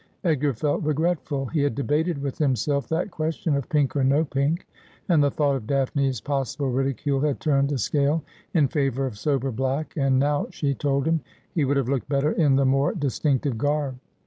Edgar felt regretful. He had debated with himself that question of pink or no pink ; and the thought of Daphne's pos sible ridicule had turned the scale in favour of sober black ; and now she told him he would have looked better in the more distinctive garb.